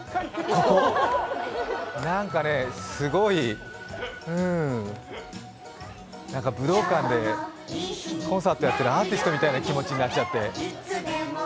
ここ、なんか、すごい武道館でコンサートをやっているアーティストみたいな気持ちになっちゃって。